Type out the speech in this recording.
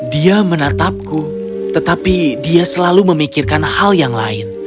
dia menatapku tetapi dia selalu memikirkan hal yang lain